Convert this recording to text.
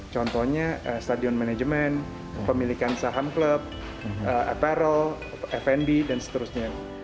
contohnya stadion manajemen pemilikan saham klub akparel fnd dan seterusnya